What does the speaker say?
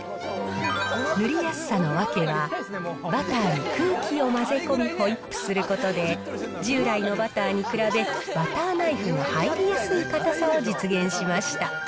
塗りやすさのわけは、バターに空気を混ぜ込み、ホイップすることで、従来のバターに比べ、バターナイフの入りやすい硬さを実現しました。